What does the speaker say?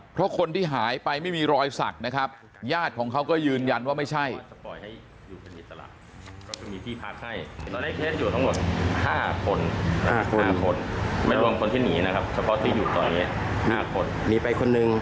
เพราะคนที่หายไปไม่มีรอยสักนะครับญาติของเขาก็ยืนยันว่าไม่ใช่